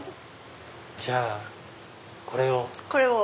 じゃあこれを。